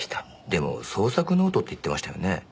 でも創作ノートって言ってましたよね？